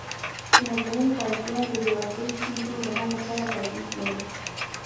د ناپوهۍ فرضیه د بېوزلۍ ستونزې د حل لپاره تجویز لري.